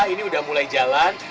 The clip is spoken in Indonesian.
ini udah mulai jalan